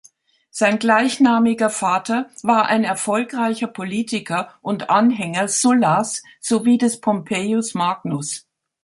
Sein gleichnamiger Vater war ein erfolgreicher Politiker und Anhänger Sullas sowie des Pompeius Magnus.